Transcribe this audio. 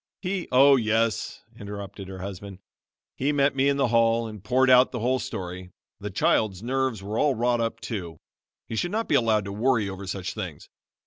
He " "Oh, yes," interrupted her husband, "he met me in the hall and poured out the whole story. The child's nerves were all wrought up, too. He should not be allowed to worry over such things.